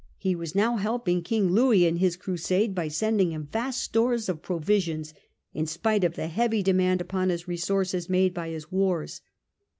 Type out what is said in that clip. He was now helping King Louis in his Crusade by sending him vast stores of provisions, in spite of the heavy demand upon his resources made by his wars.